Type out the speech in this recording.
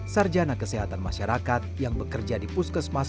sarjana kesehatan masyarakat yang bekerja di puskesmas